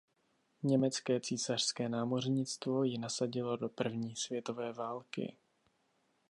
Německé císařské námořnictvo ji nasadilo do první světové války.